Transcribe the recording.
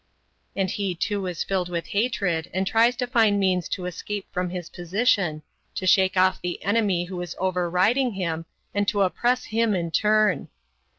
And he too is filled with hatred and tries to find means to escape from his position, to shake off the enemy who is over riding him, and to oppress him in turn.